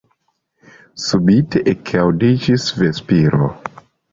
Subite ekaŭdiĝis vespiro.